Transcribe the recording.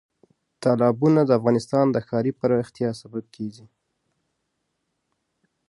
تالابونه د افغانستان د ښاري پراختیا سبب کېږي.